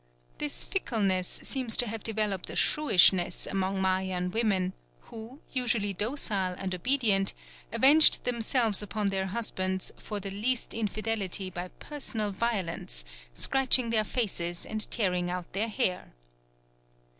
This fickleness seems to have developed a shrewishness among Mayan women, who, usually docile and obedient, avenged themselves upon their husbands for the least infidelity by personal violence, scratching their faces and tearing out their hair.